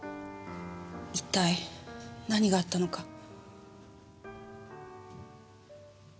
一体何があったのか。